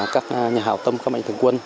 các nhà hào tâm các mạnh thường quân